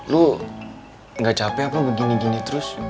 lu gak capek apa begini gini terus